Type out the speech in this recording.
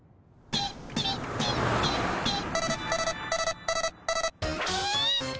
ピッピッピッピッピッ？